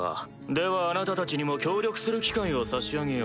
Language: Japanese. ではあなたたちにも協力する機会を差し上げよう。